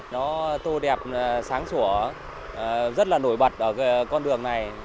nó tô đẹp sáng sủa rất là nổi bật ở con đường này